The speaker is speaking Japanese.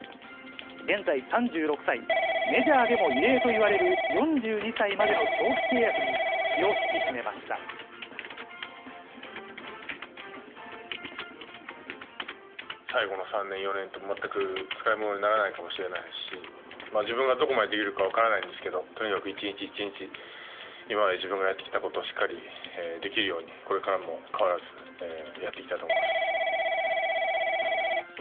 現在３６歳、メジャーでも異例といわれる４２歳までの長期契約に気を引き締め最後の３年、４年と、全く使い物にならないかもしれないし、自分がどこまでできるか分からないんですけど、とにかく一日一日、今まで自分がやってきたことをしっかりできるように、これからも変わらず、やっていきたいと思います。